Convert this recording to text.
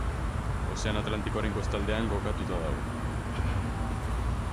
Ozeano Atlantikoaren kostaldean kokatuta dago.